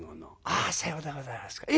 「ああさようでございますか。